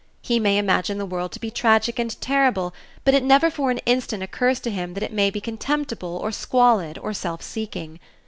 He may imagine the world to be tragic and terrible, but it never for an instant occurs to him that it may be contemptible or squalid or self seeking.